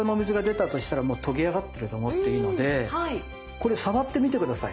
これ触ってみて下さい。